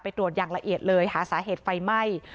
ตรวจอย่างละเอียดเลยหาสาเหตุไฟไหม้